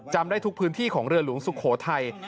จำได้ทุกพื้นที่ของเรือหลวงสุโขทัย